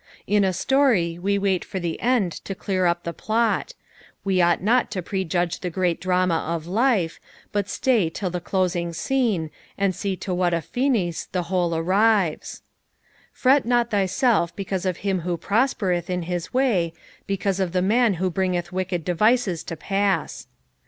'' In a story wo wait for the end to clear up the plot ; we ought nut to prejudge the great drama of life, but stay till the closing scene, snd see to what a finis the whole arrives, " Fretvot thyself heeaiue of him who pTogpereth in ha way, becavM of the man who hringsth wickal devices to pass."